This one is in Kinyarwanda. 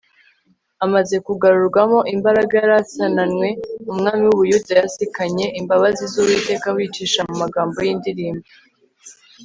amaze kugarurwamo imbaraga yari asananwe, umwami w'ubuyuda yazikanye imbabazi z'uwiteka abicisha mu magambo y'indirimbo